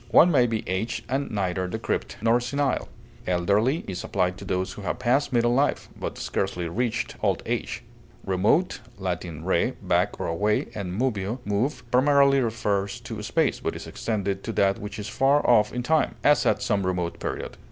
One may be aged and neither decrepit nor senile. Elderly is applied to those who have passed middle life, but scarcely reached old age. Remote (L. re, back or away, and moveo, move), primarily refers to space, but is extended to that which is far off in time; as, at some remote period.